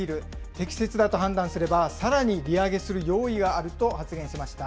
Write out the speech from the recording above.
適切だと判断すればさらに利上げする用意があると発言しました。